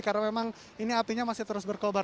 karena memang ini apinya masih terus berkobar